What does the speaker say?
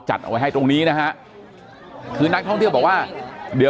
อ๋อเจ้าสีสุข่าวของสิ้นพอได้ด้วย